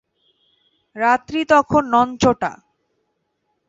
রাত্রি তখন নঞ্চটা।